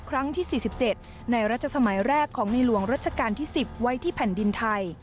ครั้งที่๔๗ในรัชสมัยแรกของในหลวงรัชกาลที่๑๐ไว้ที่แผ่นดินไทย